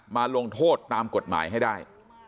ลงโทษตามกฎหมายให้ได้